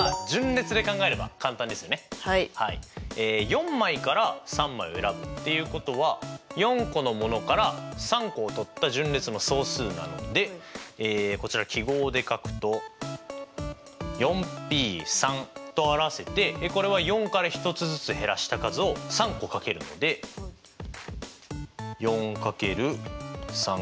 ４枚から３枚を選ぶっていうことは４個のものから３個をとった順列の総数なのでこちら記号で書くとＰと表せてこれは４から１つずつ減らした数を３個掛けるのでジャン！